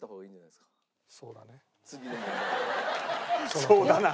「そうだな」。